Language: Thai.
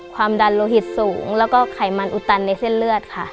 ความดันโลหิตสูงแล้วก็ไขมันอุตันในเส้นเลือดค่ะ